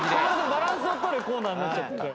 バランスをとるコーナーになっちゃってる。